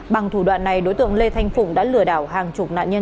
bằng thủ đoạn này đối tượng lê thanh phụng đã lừa đảo hàng chục nạn nhân